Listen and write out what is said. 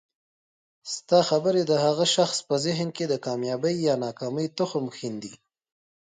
ستا خبري د هغه شخص په ذهن کي د کامیابۍ یا ناکامۍ تخم ښیندي